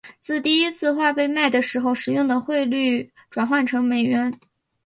自第一次画被卖的时候使用的汇率转换成美元。